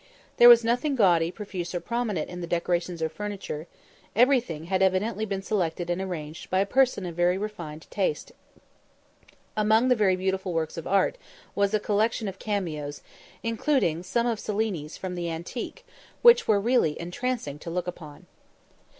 There was nothing gaudy, profuse, or prominent in the decorations or furniture; everything had evidently been selected and arranged by a person of very refined taste. Among the very beautiful works of art was a collection of cameos, including some of Cellini's from the antique, which were really entrancing to look upon.